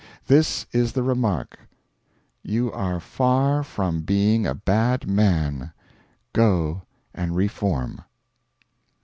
This is the remark 'YOU ARE FAR FROM BEING A BAD MAN: GO, AND REFORM.'